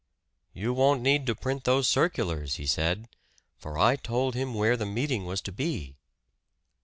"You won't need to print those circulars," he said. "For I told him where the meeting was to be."